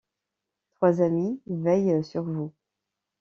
Trois amis veillent sur vous!